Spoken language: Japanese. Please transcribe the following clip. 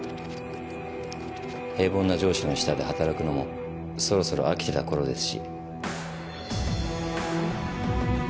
平凡な上司の下で働くのもそろそろ飽きてた頃ですし。